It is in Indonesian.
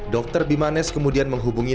dr bimane kemudian menghubungi